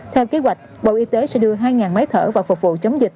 theo kế hoạch bộ y tế sẽ đưa hai máy thở và phục vụ chống dịch